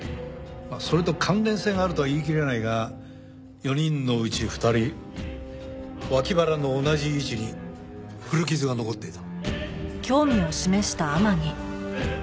それと関連性があるとは言いきれないが４人のうち２人脇腹の同じ位置に古傷が残っていた。